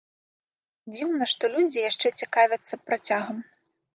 Дзіўна, што людзі яшчэ цікавяцца працягам.